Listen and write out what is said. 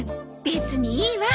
別にいいわ。